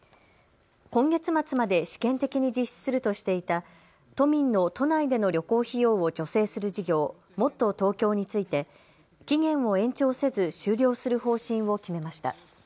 今月末まで試験的に実施するとしていた都民の都内での旅行費用を助成する事業、もっとＴｏｋｙｏについて期限を延長せず終了する方針を決めました。